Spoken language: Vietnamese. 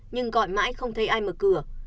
nhưng gọi mãi không thấy ai mở cửa